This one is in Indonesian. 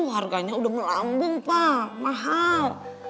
harganya udah melambung pak mahal